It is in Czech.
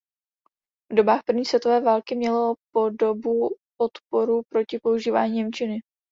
V dobách první světové války mělo podobu odporu proti používání němčiny.